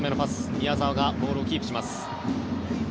宮澤がボールをキープします。